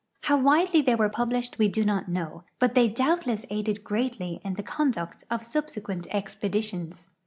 How widely they were published we do not know, but they doul)tless aided great!}' in the conduct of sul)se(pient ex]>editions.